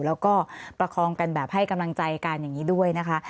แล้วก็ประคองกันแบบให้กำลังใจกันอย่างนี้ด้วยนะคะ